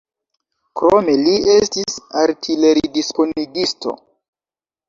Krome li estis artileridisponigisto.